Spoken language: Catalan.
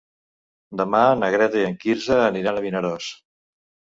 Demà na Greta i en Quirze aniran a Vinaròs.